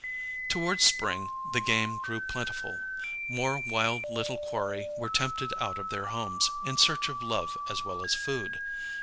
Towards spring the game grew plentiful; more wild little quarry were tempted out of their homes, in search of love as well as food.